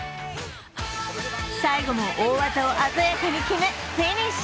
最後も大技を鮮やかに決めフィニッシュ。